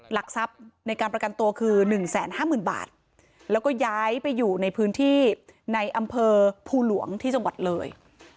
หลักทรัพย์ในการประกันตัวคือ๑๕๐๐๐บาทแล้วก็ย้ายไปอยู่ในพื้นที่ในอำเภอภูหลวงที่จังหวัดเลย